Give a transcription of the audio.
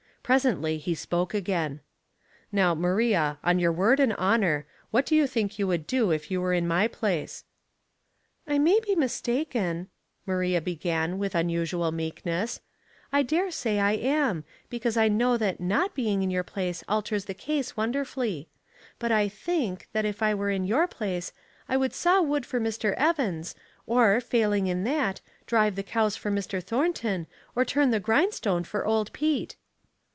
Presently he spoke again. " Now, Maria, on your word and honor, what do you think you would do if you were in my place?" " I may be mistaken," Maria began, with un usual meekness. " I dare say I am ; because I know that not being in your place alters the case wonderfully ; but I think that if I were in your place I would saw wood for Mr. Evans, or, tailing in that, drive the cows for Mr. Thornton, or turn the grindstone for old Pete.'